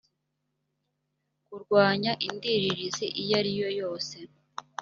kurwanya indiririzi iyo ari yo yose